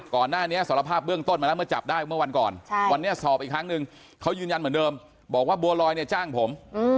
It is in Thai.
ก่อนหน้านี้สารภาพเบื้องต้นมาแล้วเมื่อจับได้เมื่อวันก่อนวันนี้สอบอีกครั้งนึงเขายืนยันเหมือนเดิมบอกว่าบัวลอยเนี่ยจ้างผม